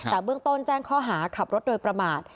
แต่เบื้องต้นแจ้งข้อหาขับรถโดยประมาท